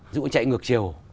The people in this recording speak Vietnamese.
dù anh chạy ngược chiều